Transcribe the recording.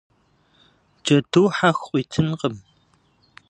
Джэду хьэху къыуитынкъым.